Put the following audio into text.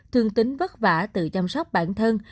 thương tín vất vả tự chăm sóc bản thân